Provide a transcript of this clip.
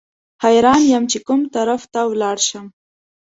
حیران یم چې کوم طرف ته ولاړ شم.